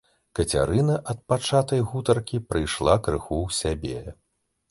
Кацярына ад пачатай гутаркі прыйшла крыху ў сябе.